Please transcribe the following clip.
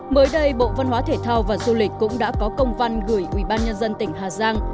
mới đây bộ văn hóa thể thao và du lịch cũng đã có công văn gửi ubnd tỉnh hà giang